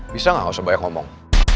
bisa enggak gak usah banyak ngomong